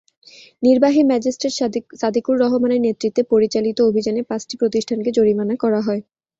নির্বাহী ম্যাজিস্ট্রেট সাদেকুর রহমানের নেতৃত্বে পরিচালিত অভিযানে পাঁচটি প্রতিষ্ঠানকে জরিমানা করা হয়।